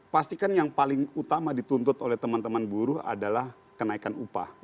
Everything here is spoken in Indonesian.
pastikan yang paling utama dituntut oleh teman teman buruh adalah kenaikan upah